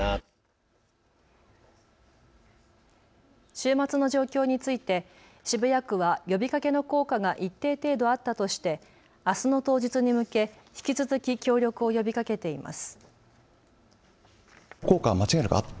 週末の状況について渋谷区は呼びかけの効果が一定程度あったとして、あすの当日に向け引き続き協力を呼びかけています。